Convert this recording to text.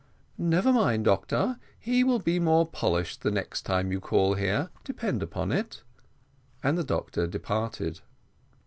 "Never mind, doctor, he will be more polished next time you call here, depend upon it," and the doctor departed.